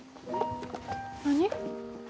何？